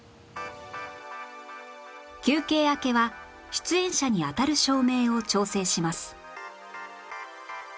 休憩明けは出演者に当たる照明を調整します